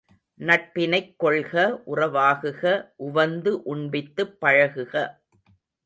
நட்பினைக் கொள்க உறவாகுக உவந்து உண்பித்துப் பழகுக.